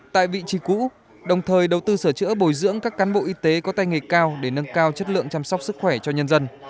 tại vị trí cũ đồng thời đầu tư sửa chữa bồi dưỡng các cán bộ y tế có tay nghề cao để nâng cao chất lượng chăm sóc sức khỏe cho nhân dân